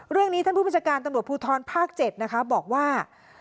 เรื่องนี้ท่านผู้บัญชาการตำรวจภูทรภาค๗นะคะบอกว่า